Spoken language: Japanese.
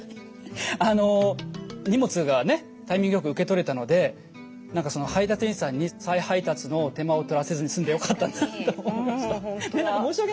荷物がねタイミングよく受け取れたので何かその配達員さんに再配達の手間をとらせずに済んでよかったなと思いました。